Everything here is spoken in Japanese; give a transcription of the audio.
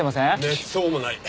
めっそうもない。